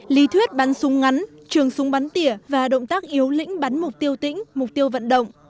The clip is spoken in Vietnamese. lý thuyết bắn súng ngắn trường súng bắn tỉa và động tác yếu lĩnh bắn mục tiêu tĩnh mục tiêu vận động